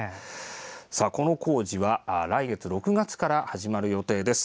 この工事は来月６月から始まる予定です。